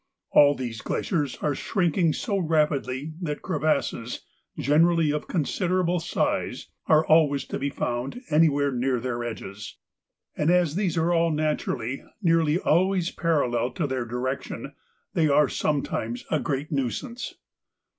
All these glaciers are shrinking so rapidly that crevasses, generally of considerable size, are always to be found anywhere near their edges, and as these are naturally nearly always parallel to their direction, they are some times a great nuisance.